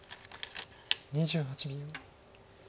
２８秒。